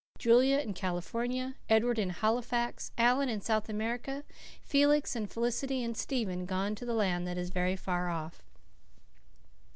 Julia in California, Edward in Halifax, Alan in South America, Felix and Felicity and Stephen gone to the land that is very far off."